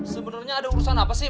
sebenarnya ada urusan apa sih